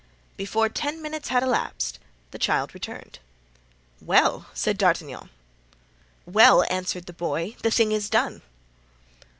Before ten minutes had elapsed the child returned. "Well!" said D'Artagnan. "Well!" answered the boy, "the thing is done."